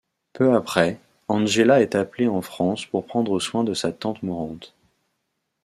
Peu après, Angela est appelée en France pour prendre soin de sa tante mourante.